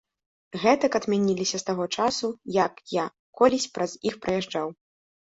Гэтак адмяніліся з таго часу, як я колісь праз іх праязджаў.